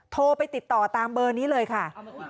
โทรไปติดต่อตามเบอร์นี้เลยค่ะ